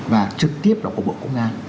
và trực tiếp là của bộ công an